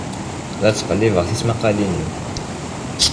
La ttqellibeɣ tismaqqalin-iw.